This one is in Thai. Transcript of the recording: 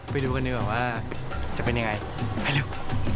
ไปดูกันดีกว่าว่าจะเป็นยังไงไปดู